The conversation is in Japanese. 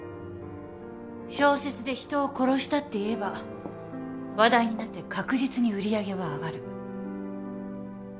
小説で人を殺したって言えば話題になって確実に売り上げは上がる。